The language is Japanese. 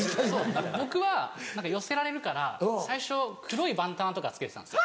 僕は寄せられるから最初黒いバンダナとか着けてたんです。